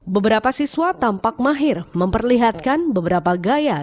beberapa siswa tampak mahir memperlihatkan beberapa gaya